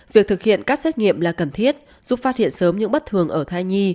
việc thực hiện các xét nghiệm là cần thiết giúp phát hiện sớm những bất thường ở thai nhi